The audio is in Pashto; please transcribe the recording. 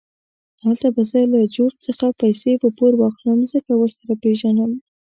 هلته به زه له جورج څخه پیسې په پور واخلم، ځکه ورسره پېژنم.